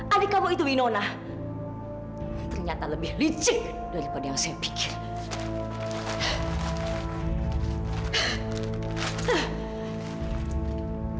adik kamu itu winona ternyata lebih licik daripada yang saya pikir